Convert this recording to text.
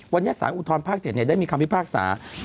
วันยัดศาลอุทธรรมภาค๗เนี่ยได้มีคำพิพากษา